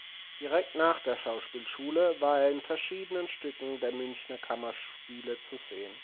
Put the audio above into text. Direkt nach der Schauspielschule war er in verschiedenen Stücken der Münchner Kammerspiele zu sehen.